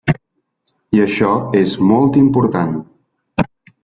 I això és molt important.